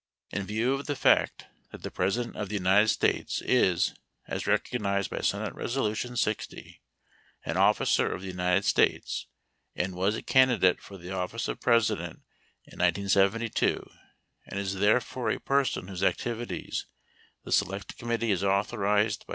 In view of the fact that the President of the United 8 States is, as recognized by S. Res. 60, an officer of the 9 United States, and was a candidate for the office of President 10 in 1972 and is therefore a person whose activities the select 11 committee is authorized by S.